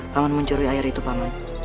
paman mencuri air itu paman